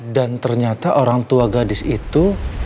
dan ternyata orang tua gadis itu